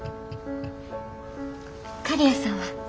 刈谷さんは？